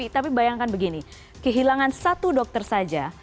tapi bayangkan begini kehilangan satu dokter saja